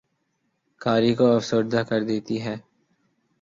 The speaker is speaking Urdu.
قاری کو افسردہ کر دیتی ہے